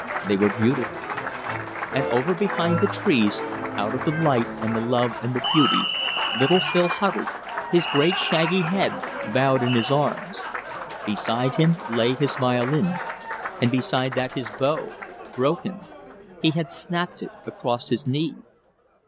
They were beautiful. And over behind the trees, out of the light and the love and the beauty, little Phil huddled, his great shaggy head bowed in his arms. Beside him lay his violin, and beside that his bow, broken. He had snapped it across his knee.